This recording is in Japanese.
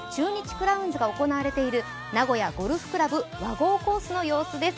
クラウンズが行われている名古屋ゴルフ倶楽部和合コースの様子です。